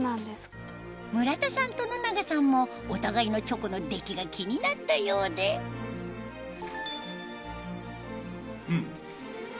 村田さんと野永さんもお互いのチョコの出来が気になったようでうん。